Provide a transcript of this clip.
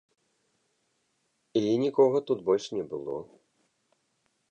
І нікога тут больш не было.